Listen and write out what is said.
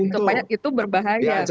supaya itu berbahaya